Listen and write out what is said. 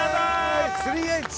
３Ｈ！